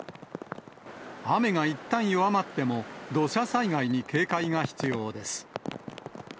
雨がいったん弱まっても、土砂災害に警戒が必要です。